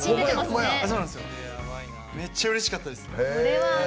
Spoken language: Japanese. めっちゃうれしかったです。